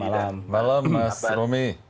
selamat malam mas romi